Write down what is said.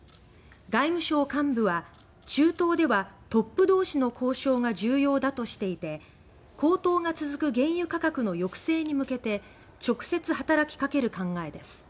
外務省幹部は「中東ではトップ同士の交渉が重要だ」としていて高騰が続く原油価格の抑制に向けて直接働きかける考えです。